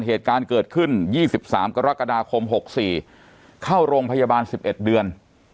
เหตุการณ์เกิดขึ้นยี่สิบสามกรกฎาคมหกสี่เข้าโรงพยาบาลสิบเอ็ดเดือน